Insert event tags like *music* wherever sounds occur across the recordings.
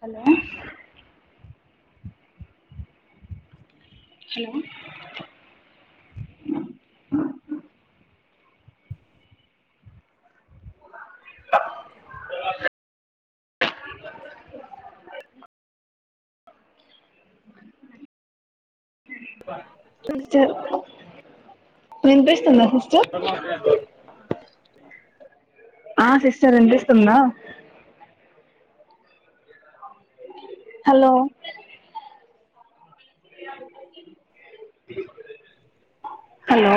Hello hello *inaudible* ా విన్పిస్తుంద సమ్ okay ఆ సిస్టర్ విన్పిస్తుందా హలో హలో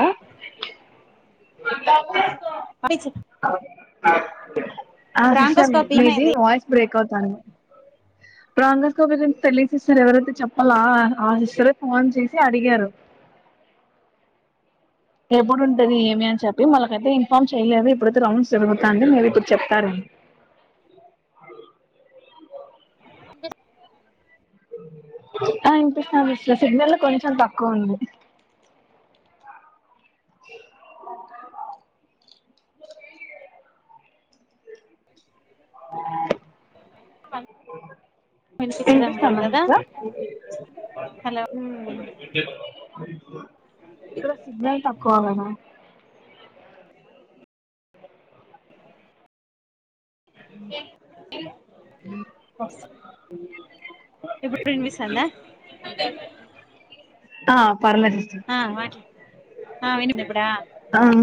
ఇ పనిచ్ ఆ సిస్టర్ మి కాపీ మీది ఏమైంది వాయిస్ బ్రేక్ అవుతాంది ప్రంగ గోపి గురించి తెలియదు సిస్టర్ ఎవరైతే చెప్పాలా ఆ సిస్టర ఫోన్ చేసి అడిగారు అ ఎప్పుడుంటది ఏమి అని చెప్పి వాళ్ళకైతే ఇన్ఫామ్ చెయలేదు ఇప్పుడైతే రౌండ్స్ జరుగుతాంది, అని మీరు ఇప్పుడు చెప్తారు *inaudible* అకా ఆ విన్పిస్తాంది స్ సిగ్నల్ కొంచెం తక్కువుంది అవునా ఆ వినిపించడం లేదు విన్పిస్తాందా కదా సిస్ట హలో ఇక్కడ సిగ్నల్ తక్కువగదా అ *inaudible* ఇప్పుడు విన్పిస్తాంద ఆ పర్లె సిస్టర్ ఆ వినిదిప్పుడా ఆమ్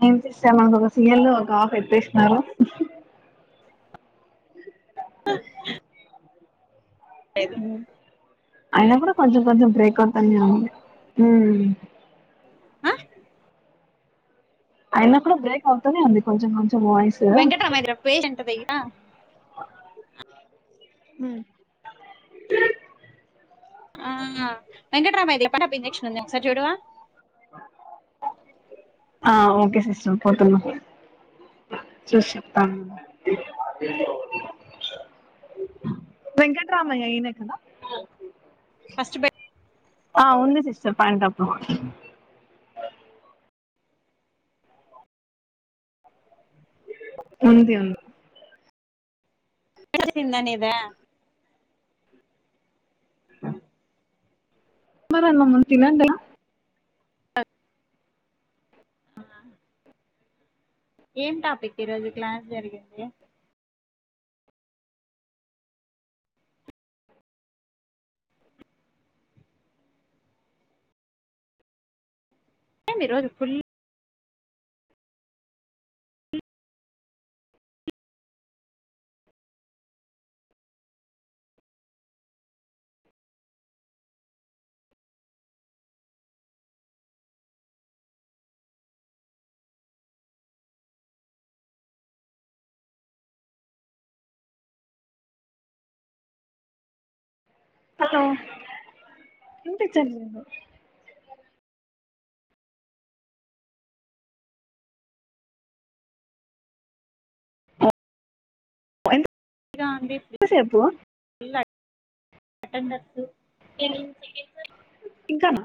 నేం చేస్తెమాకు ఒక సిఎల్ ఒక ఆఫ్ ఎట్టిస్తారు ఉహ్ *inaudible* అయినప్పుడు కొంచెం కొంచెం బ్రేక్ అవుతానే ఉంది, ఊ అ అయినకుడా బ్రేక్ అవుతునె ఉంది, కొంచెం కొంచెం వాయిస్ అ హ్మ్ ఆ వెంకటరామయది ఎప్పడప్పు ఇంజక్షన్ ఉంది ఒకసారి చూడువా ఆ ఓకే సిస్టర్ పోతున్న చూస్చెప్తానున్ వెంకట్రామయ్య ఈనెకదా ఫస్ట్ బె ఆ ఉంది సిస్టర్ పాయన్టాప్ ఉంది ఉంద్ ఎడ జిల్లా నిదే ఆ మరన్మ్మ తినన్ తిన ఆ ఏం టాపిక్ ఈరోజు క్లాస్ జరిగింది. ఏం ఈ రోజు ఫుల్ అద ఎంతైచరు ఆ ఎ ఎంత సేపు పటన్ దాస్తూ ఏం ఇంకానా